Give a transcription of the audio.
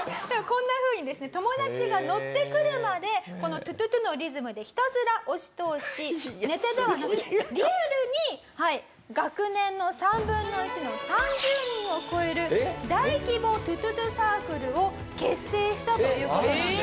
こんなふうにですね友達がノってくるまでこのトゥトゥトゥのリズムでひたすら押し通しネタではなくリアルに学年の３分の１の３０人を超える大規模トゥトゥトゥサークルを結成したという事なんです。